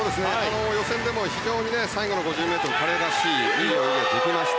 予選でも非常に最後の５０ｍは彼らしいいい泳ぎができました。